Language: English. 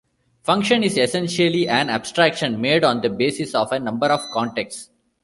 "Function is essentially an abstraction made on the basis of a number of contexts".